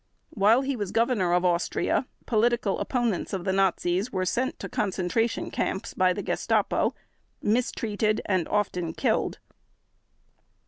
While he was Governor of Austria, political opponents of the Nazis were sent to concentration camps by the Gestapo, mistreated, and often killed.